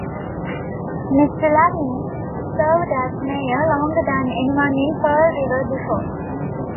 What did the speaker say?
Mr. Lavigne served as Mayor longer than anyone in Pearl River before.